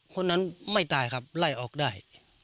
คนนั้นไม่ตายครับไล่ออกได้